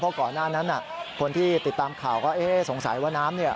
ก่อนหน้านั้นคนที่ติดตามข่าวก็เอ๊ะสงสัยว่าน้ำเนี่ย